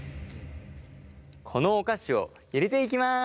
このお菓子を入れていきます。